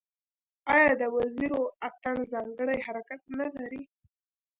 آیا د وزیرو اتن ځانګړی حرکت نلري؟